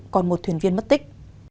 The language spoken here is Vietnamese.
còn một thuyền viên mất tích